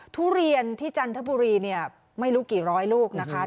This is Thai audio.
ทุเรียนที่จันทบุรีเนี่ยไม่รู้กี่ร้อยลูกนะคะ